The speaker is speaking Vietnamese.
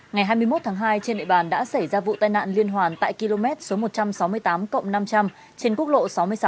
ngày hai mươi một tháng hai trên địa bàn đã xảy ra vụ tai nạn liên hoàn tại km số một trăm sáu mươi tám cộng năm trăm linh trên quốc lộ sáu mươi sáu